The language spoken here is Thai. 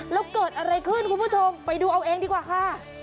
แล้วเกิดอะไรขึ้นคุณผู้ชมไปดูเอาเองดีกว่าค่ะ